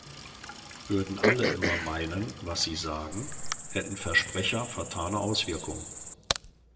Würden alle immer meinen, was sie sagen, hätten Versprecher fatale Auswirkungen.